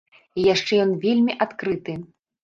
І яшчэ ён вельмі адкрыты.